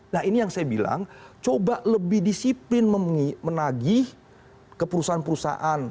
nah ini yang saya bilang coba lebih disiplin menagih ke perusahaan perusahaan